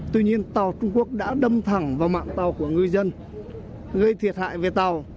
tuy nhiên tàu trung quốc đã đâm thẳng vào mạng tàu của ngư dân gây thiệt hại về tàu